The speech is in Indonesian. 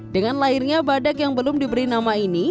dengan lahirnya badak yang belum diberi nama ini